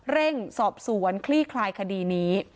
เร่งสอบสวนคลี่คลายคดีนี้